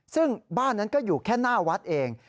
ซึ่งบ้านนั้นก็อยู่แค่หน้าวัดเอง